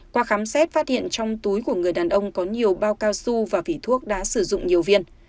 qua khám xét phát hiện trong túi của người đàn ông có nhiều bao cao su và vỉ thuốc đã sử dụng nhiều viên